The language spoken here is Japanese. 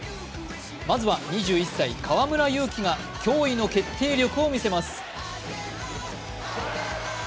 まずは２１歳・河村勇輝が驚異の決定力を見せます。